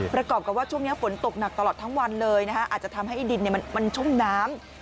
ประกอบกับว่าช่วงนี้ฝนตกหนักตลอดทั้งวันเลยอาจจะทำให้ดินมันชุ่มน้ำ